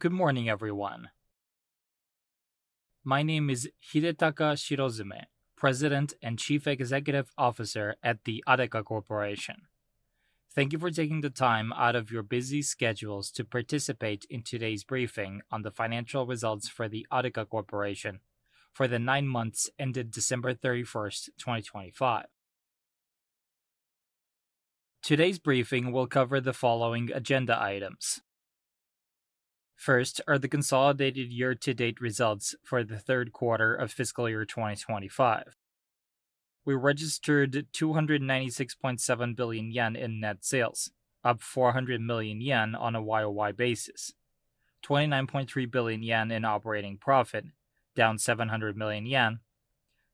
Good morning, everyone. My name is Hidetaka Shirozume, President and Chief Executive Officer at the Adeka Corporation. Thank you for taking the time out of your busy schedules to participate in today's briefing on the financial results for the Adeka Corporation for the nine months ended December 31st, 2025. Today's briefing will cover the following agenda items. First are the consolidated year-to-date results for the third quarter of fiscal year 2025. We registered 296.7 billion yen in net sales, up 400 million yen on a YoY basis, 29.3 billion yen in operating profit, down 700 million yen,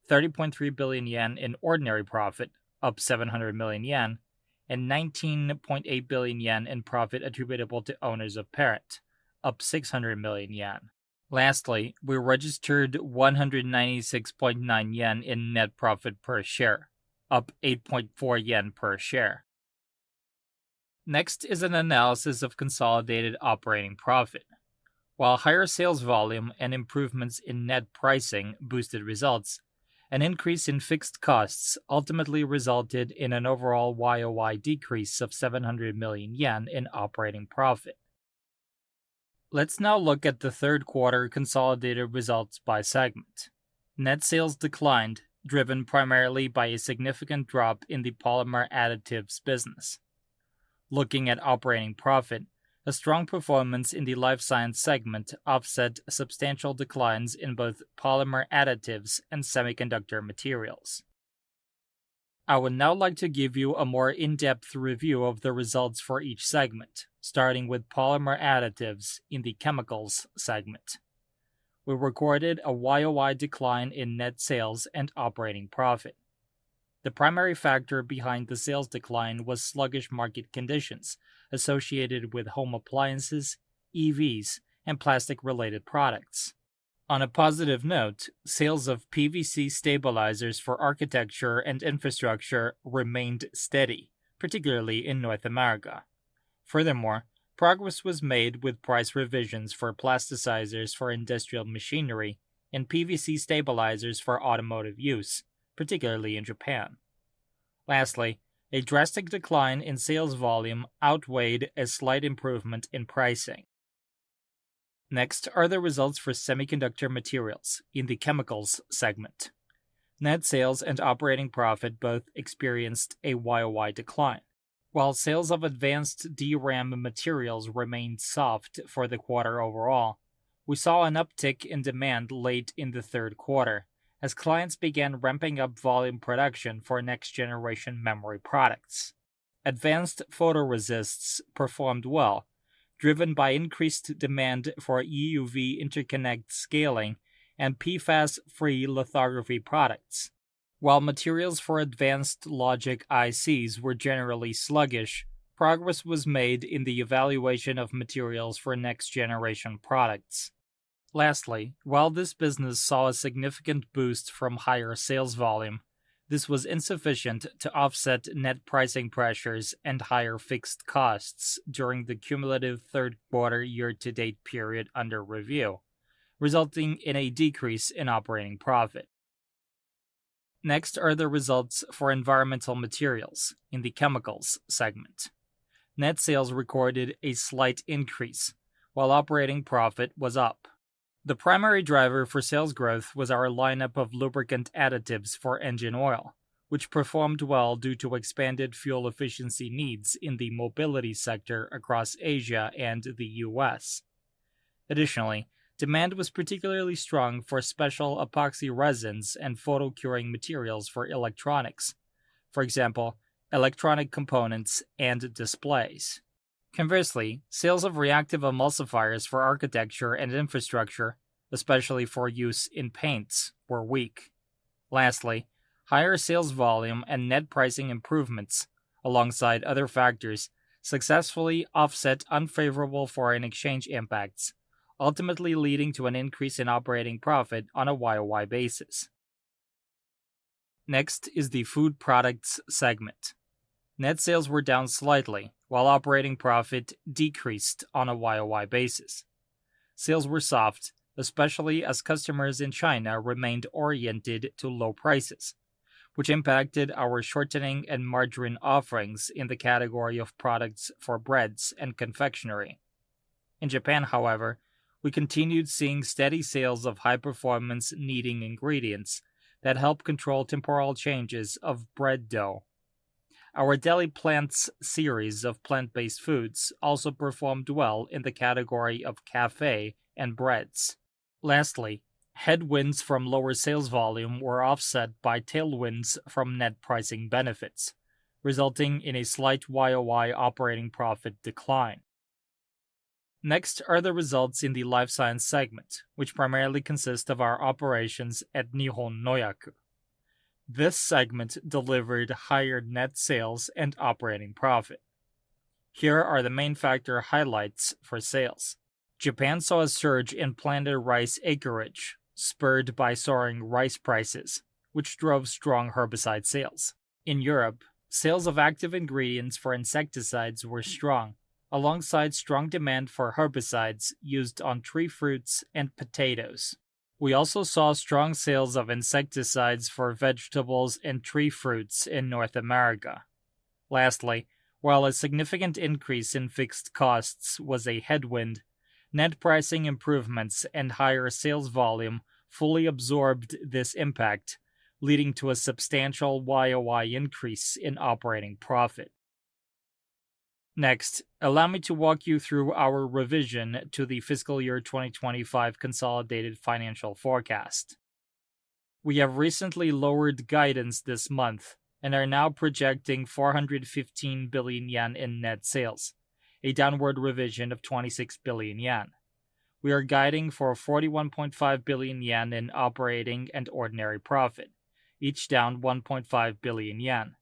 30.3 billion yen in ordinary profit, up 700 million yen, and 19.8 billion yen in profit attributable to owners of parent, up 600 million yen. Lastly, we registered 196.9 yen in net profit per share, up 8.4 yen per share. Next is an analysis of consolidated operating profit. While higher sales volume and improvements in net pricing boosted results, an increase in fixed costs ultimately resulted in an overall YoY decrease of 700 million yen in operating profit. Let's now look at the third quarter consolidated results by segment. Net sales declined, driven primarily by a significant drop in the polymer additives business. Looking at operating profit, a strong performance in the life science segment offset substantial declines in both polymer additives and semiconductor materials. I would now like to give you a more in-depth review of the results for each segment, starting with polymer additives in the chemicals segment. We recorded a YoY decline in net sales and operating profit. The primary factor behind the sales decline was sluggish market conditions associated with home appliances, EVs, and plastic-related products. On a positive note, sales of PVC stabilizers for architecture and infrastructure remained steady, particularly in North America. Furthermore, progress was made with price revisions for plasticizers for industrial machinery and PVC stabilizers for automotive use, particularly in Japan. Lastly, a drastic decline in sales volume outweighed a slight improvement in pricing. Next are the results for semiconductor materials in the chemicals segment. Net sales and operating profit both experienced a YoY decline. While sales of advanced DRAM materials remained soft for the quarter overall, we saw an uptick in demand late in the third quarter as clients began ramping up volume production for next-generation memory products. Advanced photoresists performed well, driven by increased demand for EUV interconnect scaling and PFAS-free lithography products. While materials for advanced logic ICs were generally sluggish, progress was made in the evaluation of materials for next-generation products. Lastly, while this business saw a significant boost from higher sales volume, this was insufficient to offset net pricing pressures and higher fixed costs during the cumulative third quarter year-to-date period under review, resulting in a decrease in operating profit. Next are the results for environmental materials in the chemicals segment. Net sales recorded a slight increase while operating profit was up. The primary driver for sales growth was our lineup of lubricant additives for engine oil, which performed well due to expanded fuel efficiency needs in the mobility sector across Asia and the U.S. Additionally, demand was particularly strong for special epoxy resins and photo curing materials for electronics, for example, electronic components and displays. Conversely, sales of reactive emulsifiers for architecture and infrastructure, especially for use in paints, were weak. Lastly, higher sales volume and net pricing improvements alongside other factors successfully offset unfavorable foreign exchange impacts, ultimately leading to an increase in operating profit on a YoY basis. Next is the Food Products segment. Net sales were down slightly while operating profit decreased on a YoY basis. Sales were soft, especially as customers in China remained oriented to low prices, which impacted our shortening and margarine offerings in the category of products for breads and confectionery. In Japan, however, we continued seeing steady sales of high-performance kneading ingredients that help control temporal changes of bread dough. Our Deli Plants series of plant-based foods also performed well in the category of cafe and breads. Lastly, headwinds from lower sales volume were offset by tailwinds from net pricing benefits, resulting in a slight YoY operating profit decline. Next are the results in the life science segment, which primarily consist of our operations at Nihon Nohyaku. This segment delivered higher net sales and operating profit. Here are the main factor highlights for sales. Japan saw a surge in planted rice acreage spurred by soaring rice prices, which drove strong herbicide sales. In Europe, sales of active ingredients for insecticides were strong, alongside strong demand for herbicides used on tree fruits and potatoes. We also saw strong sales of insecticides for vegetables and tree fruits in North America. Lastly, while a significant increase in fixed costs was a headwind, net pricing improvements and higher sales volume fully absorbed this impact, leading to a substantial YOY increase in operating profit. Next, allow me to walk you through our revision to the fiscal year 2025 consolidated financial forecast. We have recently lowered guidance this month and are now projecting 415 billion yen in net sales, a downward revision of 26 billion yen. We are guiding for 41.5 billion yen in operating and ordinary profit, each down 1.5 billion yen,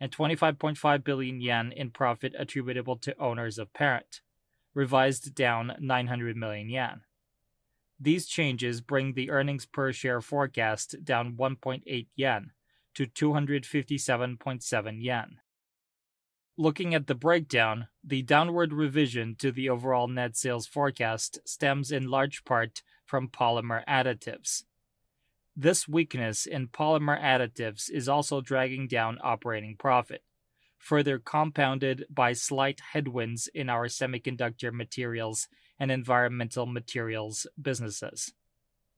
and 25.5 billion yen in profit attributable to owners of parent, revised down 900 million yen. These changes bring the earnings per share forecast down 1.8 yen to 257.7 yen. Looking at the breakdown, the downward revision to the overall net sales forecast stems in large part from polymer additives. This weakness in polymer additives is also dragging down operating profit, further compounded by slight headwinds in our semiconductor materials and environmental materials businesses.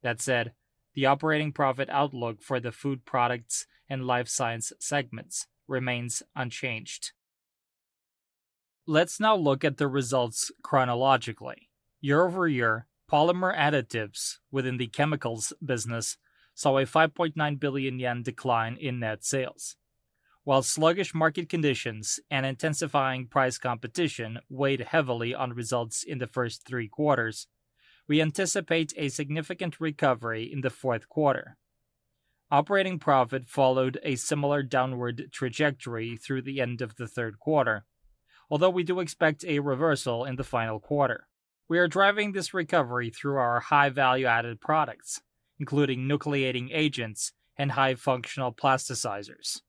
That said, the operating profit outlook for the food products and life science segments remains unchanged. Let's now look at the results chronologically. Year-over-year, polymer additives within the chemicals business saw a 5.9 billion yen decline in net sales. While sluggish market conditions and intensifying price competition weighed heavily on results in the first three quarters, we anticipate a significant recovery in the fourth quarter. Operating profit followed a similar downward trajectory through the end of the third quarter. Although we do expect a reversal in the final quarter, we are driving this recovery through our high value-added products, including nucleating agents and high functional plasticizers.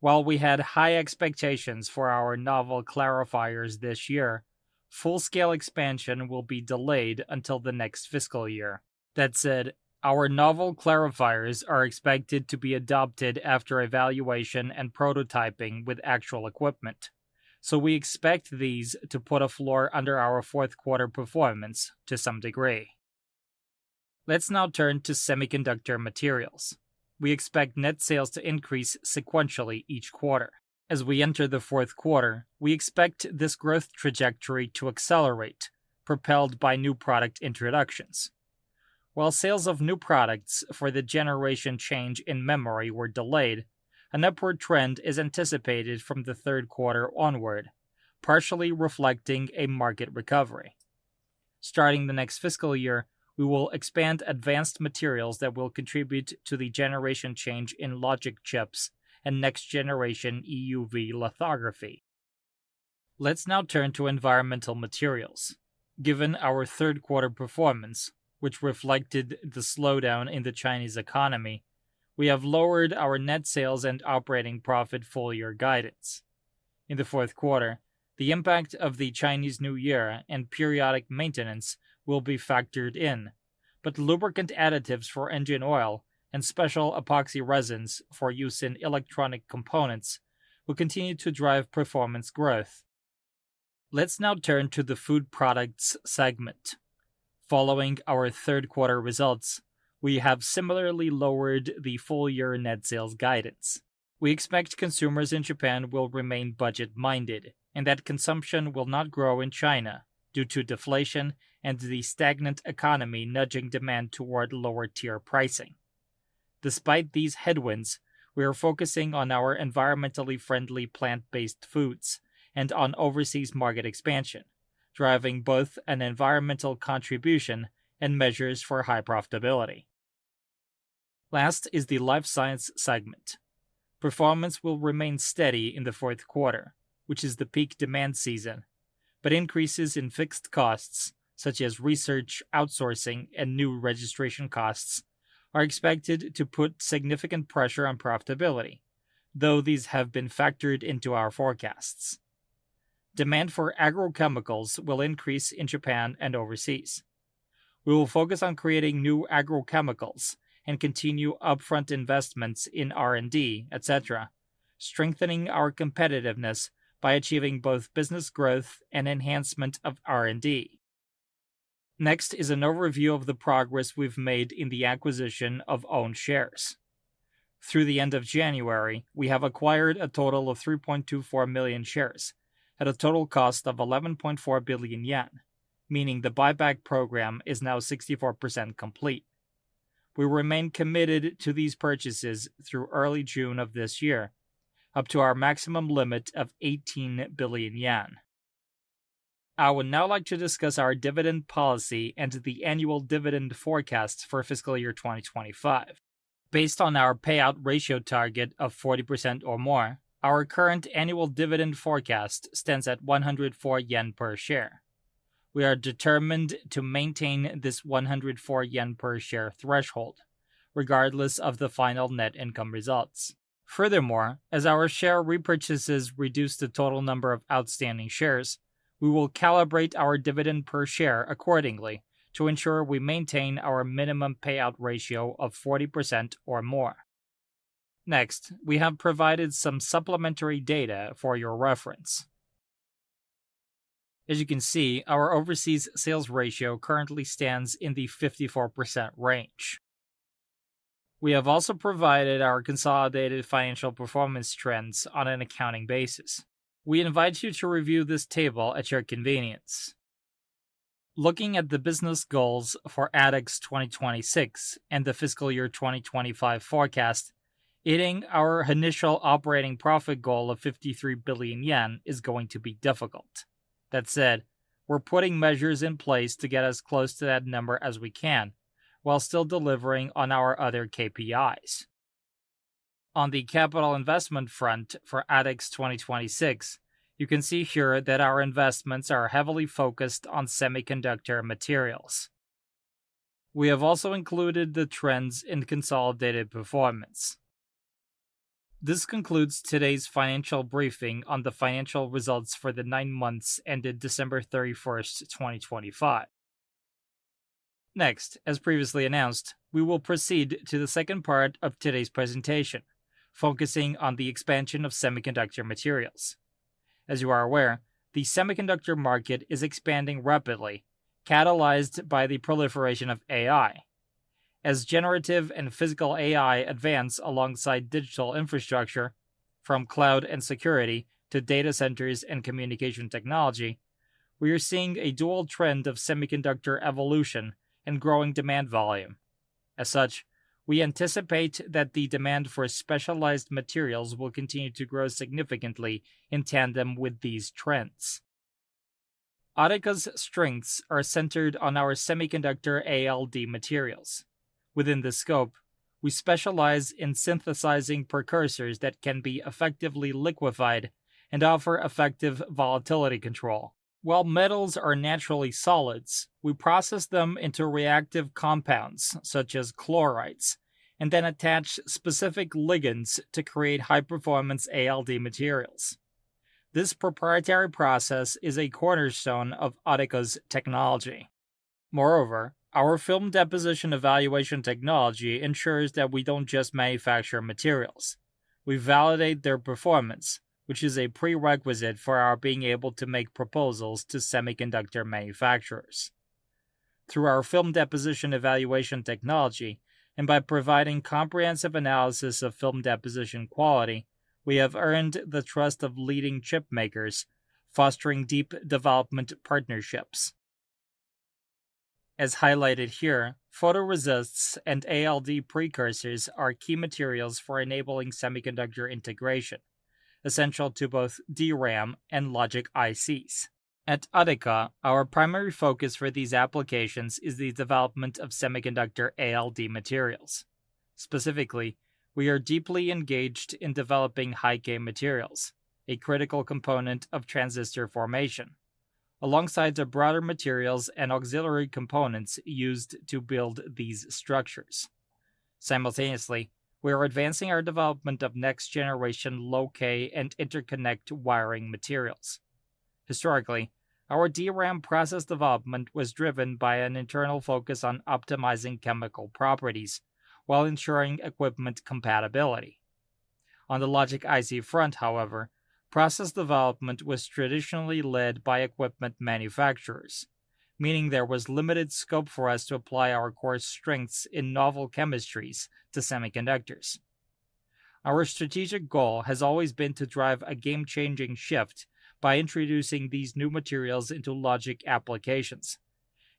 While we had high expectations for our novel clarifiers this year, full-scale expansion will be delayed until the next fiscal year. That said, our novel clarifiers are expected to be adopted after evaluation and prototyping with actual equipment, so we expect these to put a floor under our fourth quarter performance to some degree. Let's now turn to semiconductor materials. We expect net sales to increase sequentially each quarter. As we enter the fourth quarter, we expect this growth trajectory to accelerate, propelled by new product introductions. While sales of new products for the generation change in memory were delayed, an upward trend is anticipated from the third quarter onward, partially reflecting a market recovery. Starting the next fiscal year, we will expand advanced materials that will contribute to the generation change in logic chips and next generation EUV lithography. Let's now turn to environmental materials. Given our third-quarter performance, which reflected the slowdown in the Chinese economy, we have lowered our net sales and operating profit full-year guidance. In the fourth quarter, the impact of the Chinese New Year and periodic maintenance will be factored in, but lubricant additives for engine oil and special epoxy resins for use in electronic components will continue to drive performance growth. Let's now turn to the food products segment. Following our third-quarter results, we have similarly lowered the full-year net sales guidance. We expect consumers in Japan will remain budget-minded and that consumption will not grow in China due to deflation and the stagnant economy nudging demand toward lower-tier pricing. Despite these headwinds, we are focusing on our environmentally friendly plant-based foods and on overseas market expansion, driving both an environmental contribution and measures for high profitability. Last is the life science segment. Performance will remain steady in the fourth quarter, which is the peak demand season, but increases in fixed costs such as research, outsourcing, and new registration costs are expected to put significant pressure on profitability, though these have been factored into our forecasts. Demand for agrochemicals will increase in Japan and overseas. We will focus on creating new agrochemicals and continue upfront investments in R&D, et cetera, strengthening our competitiveness by achieving both business growth and enhancement of R&D. Next is an overview of the progress we've made in the acquisition of own shares. Through the end of January, we have acquired a total of 3.24 million shares at a total cost of 11.4 billion yen, meaning the buyback program is now 64% complete. We remain committed to these purchases through early June of this year, up to our maximum limit of 18 billion yen. I would now like to discuss our dividend policy and the annual dividend forecasts for fiscal year 2025. Based on our payout ratio target of 40% or more, our current annual dividend forecast stands at 104 yen per share. We are determined to maintain this 104 yen per share threshold. Regardless of the final net income results. Furthermore, as our share repurchases reduce the total number of outstanding shares, we will calibrate our dividend per share accordingly to ensure we maintain our minimum payout ratio of 40% or more. Next, we have provided some supplementary data for your reference. As you can see, our overseas sales ratio currently stands in the 54% range. We have also provided our consolidated financial performance trends on an accounting basis. We invite you to review this table at your convenience. Looking at the business goals for ADEX 2026 and the fiscal year 2025 forecast, hitting our initial operating profit goal of 53 billion yen is going to be difficult. That said, we're putting measures in place to get as close to that number as we can while still delivering on our other KPIs. On the capital investment front for ADEX 2026, you can see here that our investments are heavily focused on semiconductor materials. We have also included the trends in consolidated performance. This concludes today's financial briefing on the financial results for the nine months ended December 31st, 2025. Next, as previously announced, we will proceed to the second part of today's presentation, focusing on the expansion of semiconductor materials. As you are aware, the semiconductor market is expanding rapidly, catalyzed by the proliferation of AI. As generative and physical AI advance alongside digital infrastructure, from cloud and security to data centers and communication technology, we are seeing a dual trend of semiconductor evolution and growing demand volume. As such, we anticipate that the demand for specialized materials will continue to grow significantly in tandem with these trends. Adeka's strengths are centered on our semiconductor ALD materials. Within this scope, we specialize in synthesizing precursors that can be effectively liquefied and offer effective volatility control. While metals are naturally solids, we process them into reactive compounds such as chlorides, and then attach specific ligands to create high-performance ALD materials. This proprietary process is a cornerstone of Adeka's technology. Moreover, our film deposition evaluation technology ensures that we don't just manufacture materials. We validate their performance, which is a prerequisite for our being able to make proposals to semiconductor manufacturers. Through our film deposition evaluation technology, and by providing comprehensive analysis of film deposition quality, we have earned the trust of leading chip makers, fostering deep development partnerships. As highlighted here, photoresists and ALD precursors are key materials for enabling semiconductor integration, essential to both DRAM and logic ICs. At Adeka, our primary focus for these applications is the development of semiconductor ALD materials. Specifically, we are deeply engaged in developing high-k materials, a critical component of transistor formation, alongside the broader materials and auxiliary components used to build these structures. Simultaneously, we are advancing our development of next generation low-k and interconnect wiring materials. Historically, our DRAM process development was driven by an internal focus on optimizing chemical properties while ensuring equipment compatibility. On the logic IC front, however, process development was traditionally led by equipment manufacturers, meaning there was limited scope for us to apply our core strengths in novel chemistries to semiconductors. Our strategic goal has always been to drive a game-changing shift by introducing these new materials into logic applications,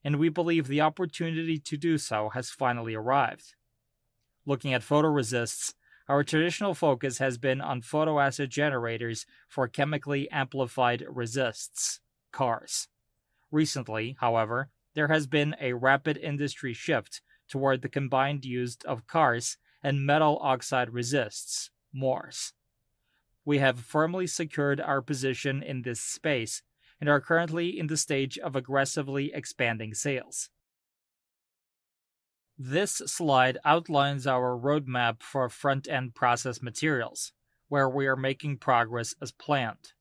and we believe the opportunity to do so has finally arrived. Looking at photoresists, our traditional focus has been on photoacid generators for chemically amplified resists, CARs. Recently, however, there has been a rapid industry shift toward the combined use of CARs and metal oxide resists, MORs. We have firmly secured our position in this space and are currently in the stage of aggressively expanding sales. This slide outlines our roadmap for front-end process materials, where we are making progress as planned.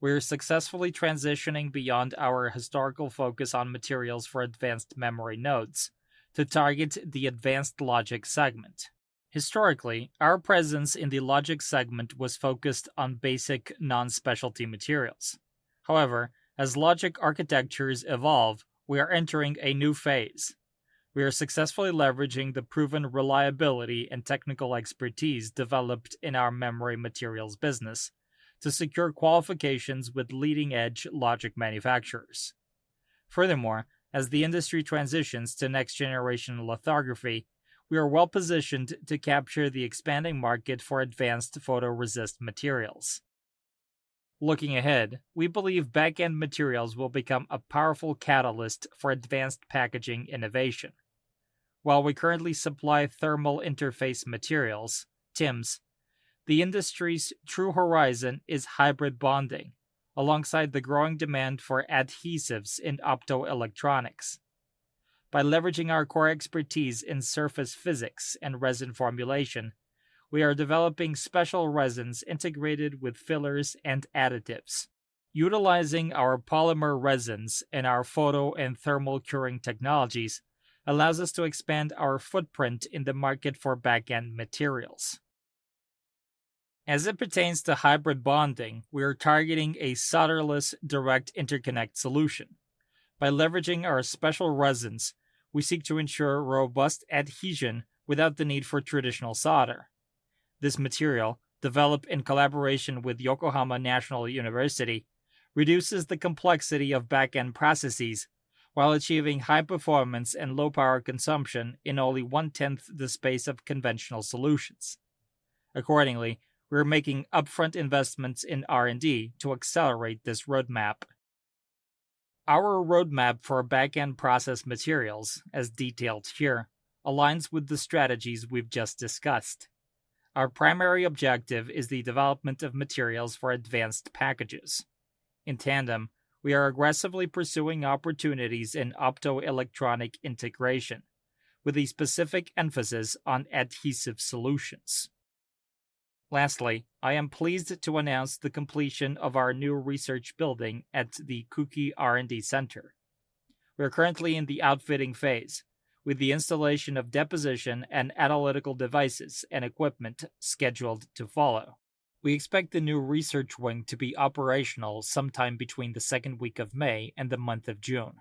We are successfully transitioning beyond our historical focus on materials for advanced memory nodes to target the advanced logic segment. Historically, our presence in the logic segment was focused on basic non-specialty materials. However, as logic architectures evolve, we are entering a new phase. We are successfully leveraging the proven reliability and technical expertise developed in our memory materials business to secure qualifications with leading-edge logic manufacturers. Furthermore, as the industry transitions to next-generation lithography, we are well positioned to capture the expanding market for advanced photoresist materials. Looking ahead, we believe back-end materials will become a powerful catalyst for advanced packaging innovation. While we currently supply thermal interface materials, TIMs. The industry's true horizon is hybrid bonding, alongside the growing demand for adhesives in optoelectronics. By leveraging our core expertise in surface physics and resin formulation, we are developing special resins integrated with fillers and additives. Utilizing our polymer resins and our photo and thermal curing technologies allows us to expand our footprint in the market for back-end materials. As it pertains to hybrid bonding, we are targeting a solderless direct interconnect solution. By leveraging our special resins, we seek to ensure robust adhesion without the need for traditional solder. This material, developed in collaboration with Yokohama National University, reduces the complexity of back-end processes while achieving high performance and low power consumption in only one-tenth the space of conventional solutions. Accordingly, we are making upfront investments in R&D to accelerate this roadmap. Our roadmap for back-end process materials, as detailed here, aligns with the strategies we've just discussed. Our primary objective is the development of materials for advanced packages. In tandem, we are aggressively pursuing opportunities in optoelectronic integration, with a specific emphasis on adhesive solutions. Lastly, I am pleased to announce the completion of our new research building at the Kuki R&D Center. We are currently in the outfitting phase, with the installation of deposition and analytical devices and equipment scheduled to follow. We expect the new research wing to be operational sometime between the second week of May and the month of June.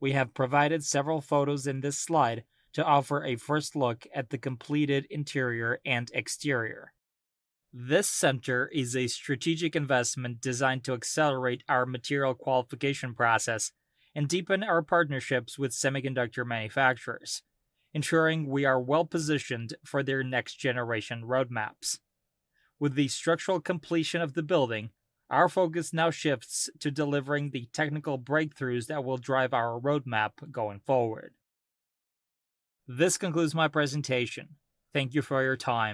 We have provided several photos in this slide to offer a first look at the completed interior and exterior. This center is a strategic investment designed to accelerate our material qualification process and deepen our partnerships with semiconductor manufacturers, ensuring we are well-positioned for their next-generation roadmaps. With the structural completion of the building, our focus now shifts to delivering the technical breakthroughs that will drive our roadmap going forward. This concludes my presentation. Thank you for your time.